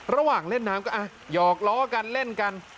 ระหว่างเล่นน้ำก็หยอกล้อกันเล่นกัน